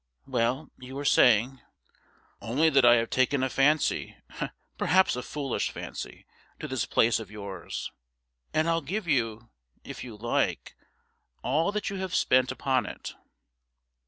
Well? You were saying ' 'Only that I have taken a fancy perhaps a foolish fancy to this place of yours, and I'll give you, if you like, all that you have spent upon it.'